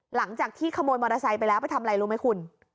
หลังจากที่ขโมยมอเตอร์ไซค์ไปแล้วไปทำอะไรรู้ไหมคุณ